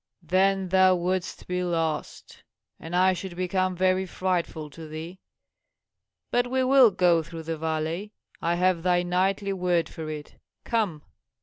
Then thou wouldst be lost, and I should become very frightful to thee. But we will go through the valley I have thy knightly word for it. Come!"